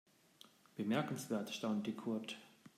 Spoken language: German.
Bemerkenswert, staunte Kurt.